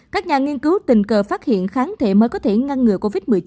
các nhà nghiên cứu tình cờ phát hiện kháng thể mới có thể ngăn ngừa covid một mươi chín